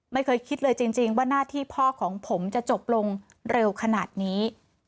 ไม่เคยคิดเลยจริงว่าหน้าที่พ่อของผมจะจบลงเร็วขนาดนี้